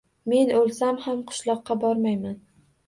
Men oʻlsam ham qishloqqa bormayman